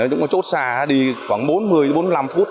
những chốt xa đi khoảng bốn mươi bốn mươi năm phút